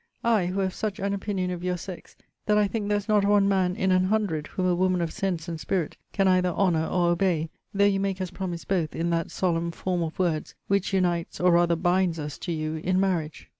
I, who have such an opinion of your sex, that I think there is not one man in an hundred whom a woman of sense and spirit can either honour or obey, though you make us promise both, in that solemn form of words which unites or rather binds us to you in marriage?